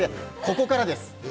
ここからです。